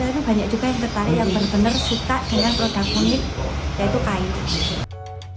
itu banyak juga yang tertarik yang benar benar suka dengan produk unik yaitu kain